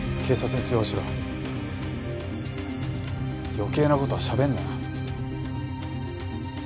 余計な事はしゃべるなよ。